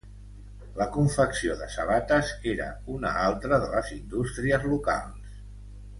La confecció de sabates era una altra de les indústries locals.